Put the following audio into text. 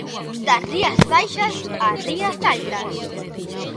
Das Rías Baixas ás Rías Altas.